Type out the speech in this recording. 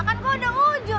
enggak kan gua udah ujur